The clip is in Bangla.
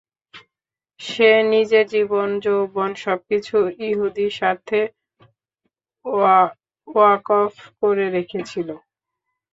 সে নিজের জীবন-যৌবন, সবকিছু ইহুদী স্বার্থে ওয়াকফ করে রেখেছিল।